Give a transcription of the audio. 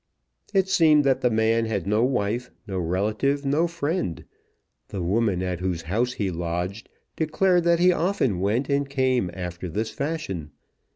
It seemed that the man had no wife, no relative, no friend. The woman at whose house he lodged declared that he often went and came after this fashion.